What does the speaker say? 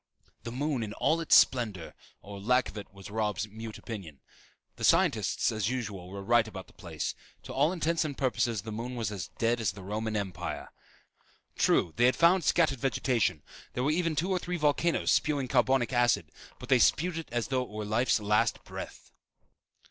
the moon in all its splendor, or lack of it was Robb's mute opinion. The scientists, as usual, were right about the place. To all intents and purposes the moon was as dead as The Roman Empire. True they had found scattered vegetation; there were even two or three volcanoes spewing carbonic acid, but they spewed it as though it were life's last breath.